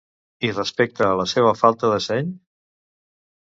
I respecte a la seva falta de seny?